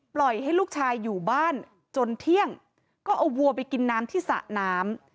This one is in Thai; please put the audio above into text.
ปล่อยให้ลูกชายอยู่บ้านจนเที่ยงก็เอาวัวไปกินน้ำที่สระน้ำ